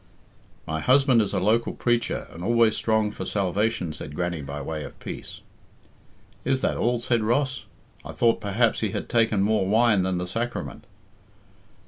"My husband is a local preacher and always strong for salvation," said Grannie by way of peace. "Is that all?" said Ross. "I thought perhaps he had taken more wine than the sacrament."